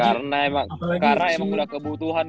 karena emang udah kebutuhan